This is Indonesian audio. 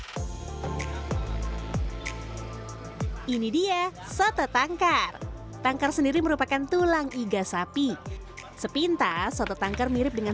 hai ini dia soto tangkar tangkar sendiri merupakan tulang iga sapi sepintas soto tangkar mirip dengan